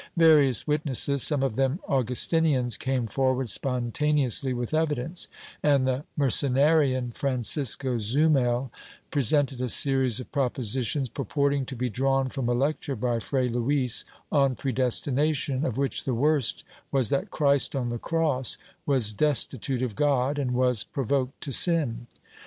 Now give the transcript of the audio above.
Various witnesses, some of them Augustinians, came forward spontaneously with evidence, and the Mercenarian, Francisco Zumel presented a series of propositions, purporting to be drawn from a lecture by Fray Luis on predestination, of which the worst was that Christ on the cross was destitute of God and was pro voked to sin.